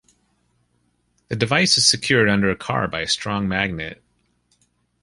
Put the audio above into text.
The device is secured under a car by a strong magnet.